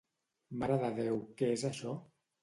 Mare de Déu, què és això?